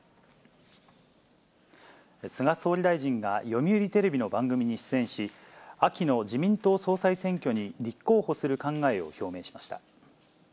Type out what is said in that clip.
菅総理大臣が読売テレビの番組に出演し、秋の自民党総裁選挙に立候補する考えを表明しました。